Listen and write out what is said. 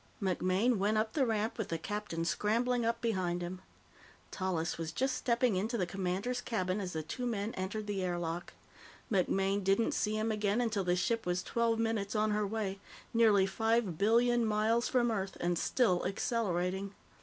MacMaine went up the ramp with the captain scrambling up behind him. Tallis was just stepping into the commander's cabin as the two men entered the air lock. MacMaine didn't see him again until the ship was twelve minutes on her way nearly five billion miles from Earth and still accelerating.